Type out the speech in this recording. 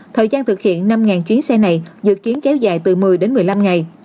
thời gian thực hiện năm chuyến xe này dự kiến kéo dài từ một mươi đến một mươi năm ngày